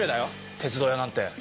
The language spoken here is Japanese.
鉄道屋なんて。